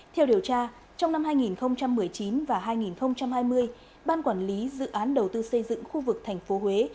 theo điều tra trong năm hai nghìn một mươi chín và hai nghìn hai mươi ban quản lý dự án đầu tư xây dựng khu vực tp huế